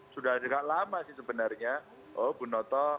sudah dekat lama sih sebenarnya oh bu noto